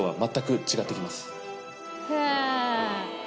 へえ。